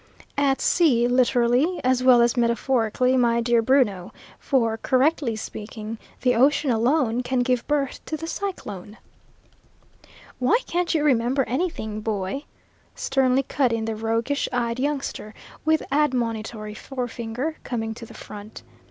"At sea, literally as well as metaphorically, my dear Bruno; for, correctly speaking, the ocean alone can give birth to the cyclone." "Why can't you remember anything, boy?" sternly cut in the roguish eyed youngster, with admonitory forefinger, coming to the front.